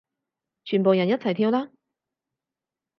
全部人一齊跳啦